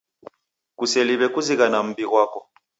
Kuseliwe kuzighana mmbi ghwako